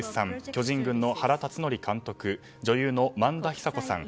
巨人軍の原辰徳監督女優の萬田久子さん